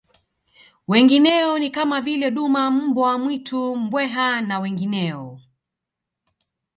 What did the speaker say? Wengineo ni kama vile duma mbwa mwitu mbweha na wengineo